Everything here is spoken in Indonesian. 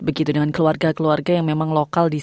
begitu dengan keluarga keluarga yang memang lokal